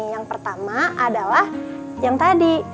yang pertama adalah yang tadi